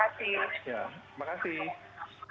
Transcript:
ya terima kasih